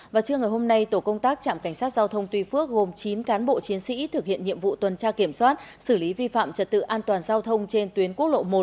và trưa ngày hôm nay tổ công tác trạm cảnh sát giao thông tuy phước gồm chín cán bộ chiến sĩ thực hiện nhiệm vụ tuần tra kiểm soát xử lý vi phạm trật tự an toàn giao thông trên tuyến quốc lộ một